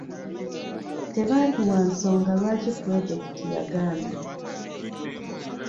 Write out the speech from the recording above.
Tebaatuwa nsonga lwaki pulojekiti yagaana.